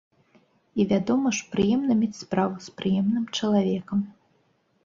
І, вядома ж, прыемна мець справу з прыемным чалавекам.